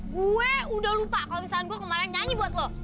gue udah lupa kalau misalnya gue kemarin nyanyi buat lo